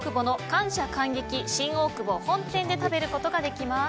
韓激新大久保本店で食べることができます。